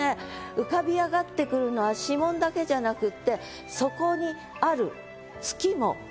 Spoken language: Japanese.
浮かび上がってくるのは指紋だけじゃなくってそこにある。